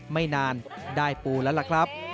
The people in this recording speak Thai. ไม่นานได้ปูแล้วล่ะครับ